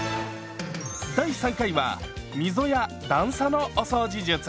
第３回は溝や段差のお掃除術。